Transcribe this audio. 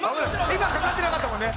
今かかってなかったもんね？